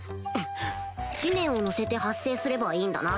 思念を乗せて発声すればいいんだな？